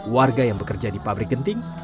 warga yang bekerja di pabrik genting